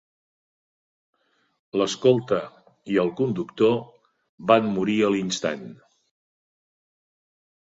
L'escolta i el conductor van morir a l'instant.